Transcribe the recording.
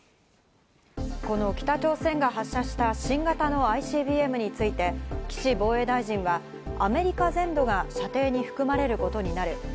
この北朝鮮が発射した新型のＩＣＢＭについて岸防衛大臣はアメリカ全土が射程に含まれることになる。